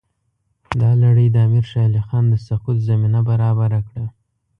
دا لړۍ د امیر شېر علي خان د سقوط زمینه برابره کړه.